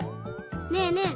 ねえねえ。